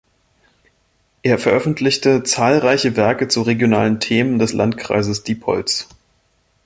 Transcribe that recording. Er veröffentlichte zahlreiche Werke zu regionalen Themen des Landkreises Diepholz.